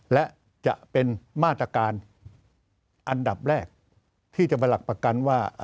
และจะเป็นมาตรการอันดับแรกที่จะมาหลักประกันว่า